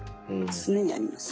常にあります。